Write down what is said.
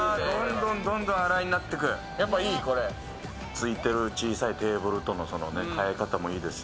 ついてる小さいテーブルとのサイズもいいですし。